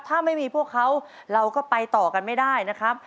ถ้าไม่มีพวกเขาเราก็ไปต่อกันไม่ได้นะครับ